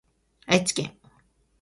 愛知県